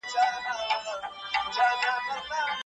هغوی باید حقیقت ومومي.